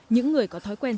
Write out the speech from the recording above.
những người có thói quen